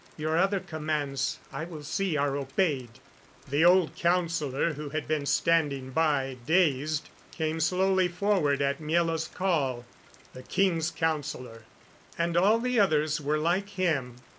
Your other commands I will see are obeyed." The old councilor, who had been standing by, dazed, came slowly forward at Miela's call. The king's councilor! And all the others were like him.